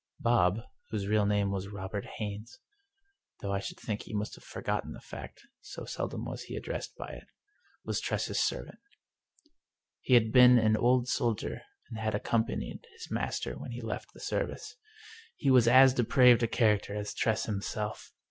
" Bob "— whose real name was Robert Haines, though I should think he must have forgotten the fact, so seldom was he addressed by it — was Tress's servant. He had been an old soldier, and had accompanied his master when he left the service. He was as depraved a character as Tress him self.